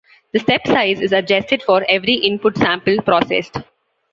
The step size is adjusted for every input sample processed.